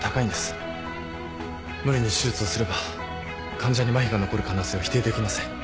無理に手術をすれば患者にまひが残る可能性を否定できません。